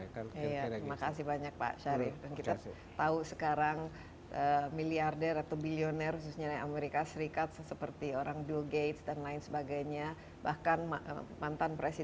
iya terima kasih banyak pak syarif